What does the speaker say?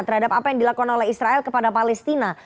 terhadap apa yang dilakukan oleh israel kepada palestina